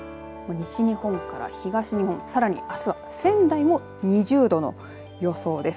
西日本から東日本さらにあすは仙台も２０度の予想です。